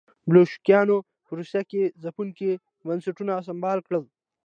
بلشویکانو په روسیه کې ځپونکي بنسټونه سمبال کړل.